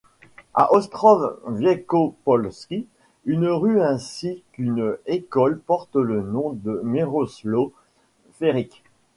À Ostrów Wielkopolski une rue ainsi qu'une école portent le nom de Mirosław Ferić.